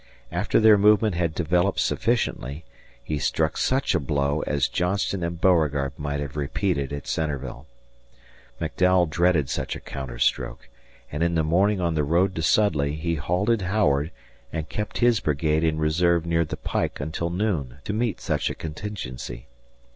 After their movement had developed sufficiently, he struck such a blow as Johnston and Beauregard might have repeated at Centreville. McDowell dreaded such a counterstroke, and in the morning on the road to Sudley he halted Howard and kept his brigade in reserve near the pike until noon to meet such a contingency.